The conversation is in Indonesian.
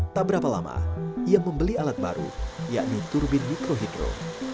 tak berapa lama ia membeli alat baru yakni turbin mikrohidro